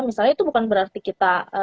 misalnya itu bukan berarti kita